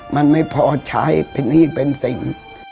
มันไม่พอใช้เป็นหนี้เป็นสิ่ง